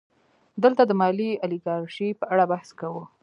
دلته د مالي الیګارشۍ په اړه بحث کوو